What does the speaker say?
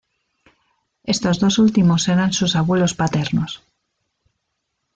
Estos dos últimos eran sus abuelos paternos.